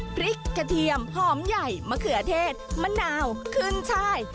พริกกระเทียมหอมใหญ่มะเขือเทศมะนาวขึ้นช่าย